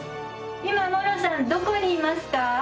今モロさんどこにいますか？